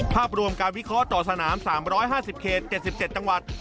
ภาพรวมการวิเคราะห์ต่อสนาม๓๕๐เขต๗๗จังหวัด